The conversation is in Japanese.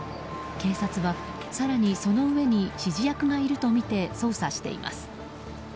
警察は更にその上に指示役がいるとみて捜査しています。